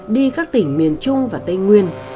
đi các tỉnh miền trung và tây nguyên